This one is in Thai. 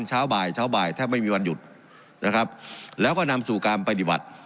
เช้าบ่ายเช้าบ่ายแทบไม่มีวันหยุดนะครับแล้วก็นำสู่การปฏิบัติ